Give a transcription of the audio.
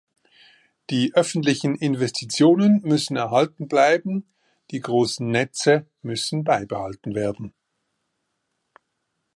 Die öffentlichen Investitionen müssen erhalten bleiben, die großen Netze müssen beibehalten werden.